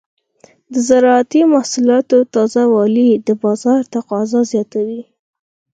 د زراعتي محصولاتو تازه والي د بازار تقاضا زیاتوي.